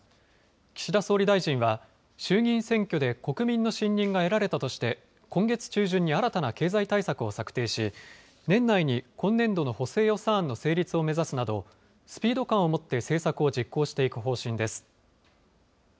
岸田総理大臣は衆議院選挙で国民の信任が得られたとして、今月中旬に新たな経済対策を策定し、年内に今年度の補正予算案の成立を目指すなど、スピード感を持って政策を実行していく方針です。